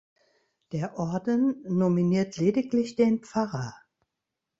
Der Orden nominiert lediglich den Pfarrer.